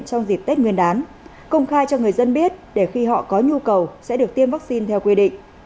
trong dịp tết nguyên đán công khai cho người dân biết để khi họ có nhu cầu sẽ được tiêm vaccine theo quy định